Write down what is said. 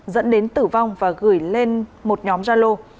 dẫn đến tử vong và gửi lên một nhóm gia lô